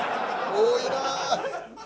多いな。